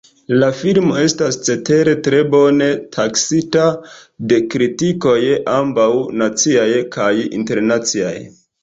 La filmo estas cetere tre bone taksita de kritikoj ambaŭ naciaj kaj internaciaj.